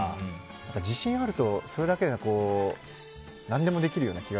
自信があると、それだけで何でもできるような気は。